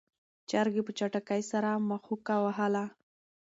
چرګې په چټکۍ سره مښوکه وهله.